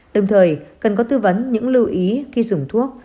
đồng thời cần có tư vấn những lưu ý khi dùng thuốc